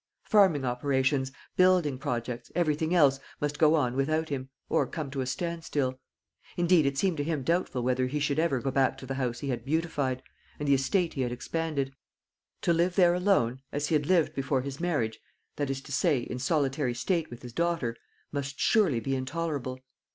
Farming operations, building projects, everything else, must go on without him, or come to a standstill. Indeed, it seemed to him doubtful whether he should ever go back to the house he had beautified, and the estate he had expanded: to live there alone as he had lived before his marriage, that is to say, in solitary state with his daughter must surely be intolerable.